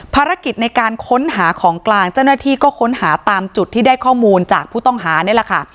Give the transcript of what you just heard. ภารกิจในการค้นหาของกลางเจ้าหน้าที่ก็ค้นหาตามจุดที่ได้ข้อมูลจากผู้ต้องหานี่แหละค่ะ